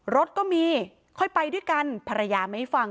รถก็มีค่อยไปด้วยกันภรรยาไม่ฟัง